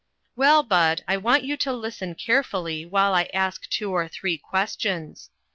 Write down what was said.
"Well, Bud, I want you to listen care fully while I ask two or three questions.